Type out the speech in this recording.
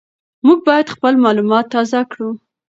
موږ باید خپل معلومات تازه کړو.